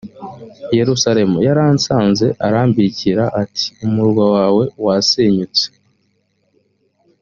yerusalemu yaransanze arambikira ati umurwa wawe wasenyutse